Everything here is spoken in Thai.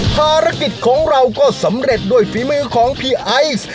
ภารกิจของเราก็สำเร็จด้วยฝีมือของพี่ไอซ์